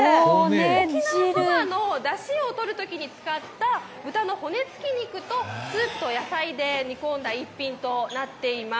沖縄そばのだしを取るときに使った豚の骨つき肉とスープと野菜で煮込んだ一品となっています。